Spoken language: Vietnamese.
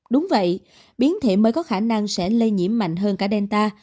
đúng vậy biến thể mới có khả năng sẽ lây nhiễm mạnh hơn cả delta